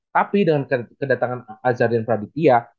tapi dengan kedatangan azaria braditya